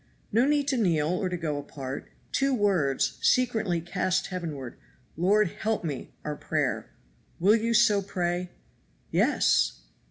No need to kneel or to go apart. Two words secretly cast heavenward, 'Lord, help me,' are prayer. Will you so pray?" "Yes!"